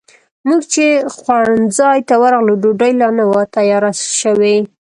موږ چې خوړنځای ته ورغلو، ډوډۍ لا نه وه تیاره شوې.